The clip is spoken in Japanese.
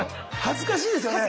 恥ずかしいですよね。